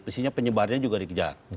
pastinya penyebarnya juga dikejar